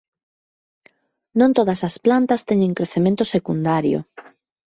Non todas as plantas teñen crecemento secundario.